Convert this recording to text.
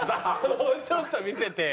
もうちょっと見せてよ。